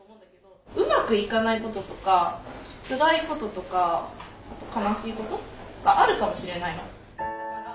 うまくいかないこととかつらいこととか悲しいことがあるかもしれないの。